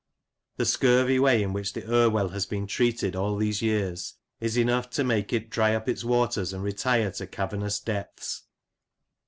The scurvy way in which the Irwell has been treated all these years is enough to make it dry up its waters and retire to cavernous depths.